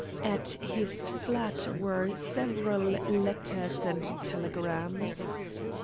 At his flat were several letters and telegrams.